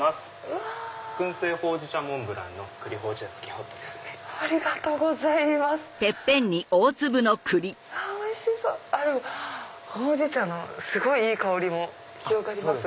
ほうじ茶のすごいいい香りも広がります。